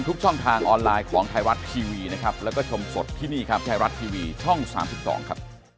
โทรมาไม่มีครับไม่เคยโทรมา